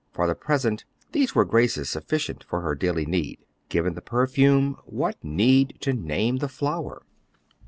For the present, these were grace sufficient for her daily need. Given the perfume, what need to name the flower?